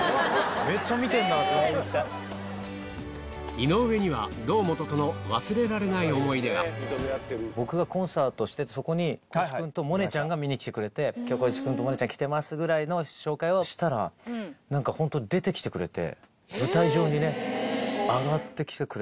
井上には堂本との僕がコンサートして光一君と萌音ちゃんが見に来てくれて光一君と萌音ちゃん来てますぐらいの紹介をしたら本当出てきてくれて。